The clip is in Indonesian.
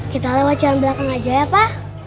kita lewat jalan belakang aja ya pak